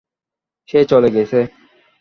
সে চলে গেছে।